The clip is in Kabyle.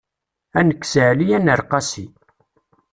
Ad nekkes Ɛli, ad nerr Qasi.